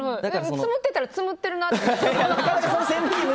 つむってたらつむってるなって。